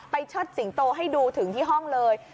เชิดสิงโตให้ดูถึงที่ห้องเลย